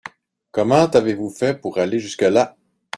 Comment avez-vous fait pour aller jusque là ?